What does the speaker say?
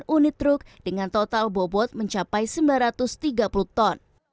dua puluh unit truk dengan total bobot mencapai sembilan ratus tiga puluh ton